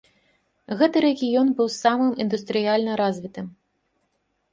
Гэты рэгіён быў самым індустрыяльна развітым.